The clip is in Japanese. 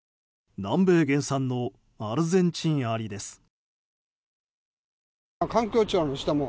南米原産のアルゼンチンアリです。